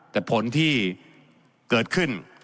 แต่ผลที่เกิดขึ้น